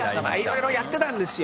色々やってたんですよ。